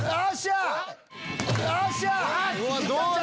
どうだ？